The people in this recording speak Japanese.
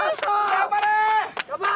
頑張れ！